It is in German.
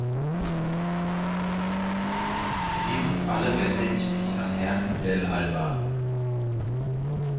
In diesem Falle wende ich mich an Herrn Dell'Alba.